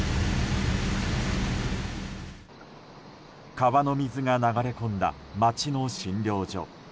川の水が流れ込んだ町の診療所。